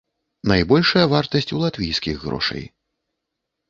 Найбольшая вартасць у латвійскіх грошай.